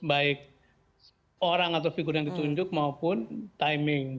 baik orang atau figur yang ditunjuk maupun timing